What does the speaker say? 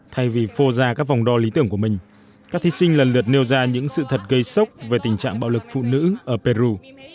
thay vì phô ra các vòng đo lý tưởng của mình các thí sinh lần lượt nêu ra những sự thật gây sốc về tình trạng bạo lực phụ nữ ở peru